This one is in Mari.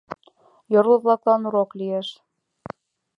— Йорло-влаклан урок лиеш.